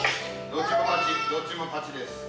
どっちも勝ちです。